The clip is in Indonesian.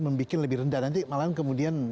membuat lebih rendah nanti malahan kemudian